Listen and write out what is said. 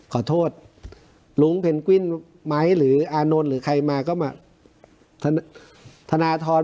ขอโทษลุงเพนกวินไหมหรืออานนท์หรือใครมาก็มาธนทร